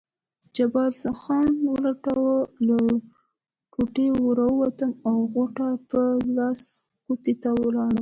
جبار خان ولټوه، له کوټې راووتم او غوټه په لاس کوټې ته ولاړم.